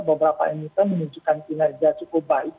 beberapa emiten menunjukkan kinerja cukup baik